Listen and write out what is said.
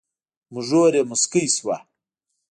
اينږور يې موسکۍ شوه.